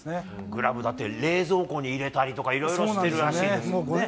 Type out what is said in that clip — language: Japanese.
グラブだって冷蔵庫に入れたりとかいろいろしてるらしいですね。